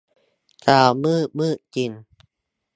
เช้ามืด มืดจริง